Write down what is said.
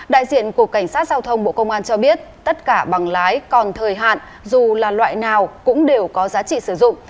đại diện của cảnh sát giao thông bộ công an cho biết tất cả bằng lái còn thời hạn dù là loại nào cũng đều có giá trị sử dụng